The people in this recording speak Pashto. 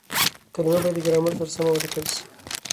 کليمه بايد د ګرامر سره سمه وليکل سي.